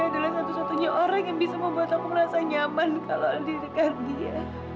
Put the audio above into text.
kenapa harus bajem adalah satu satunya orang yang bisa membuat aku merasa nyaman kalau ada di dekat dia